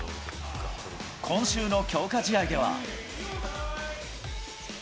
今週の強化試合では。